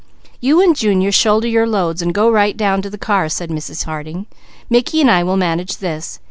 "You and Junior shoulder your loads and go right down to the car," said Mrs. Harding. "Mickey and I will manage this.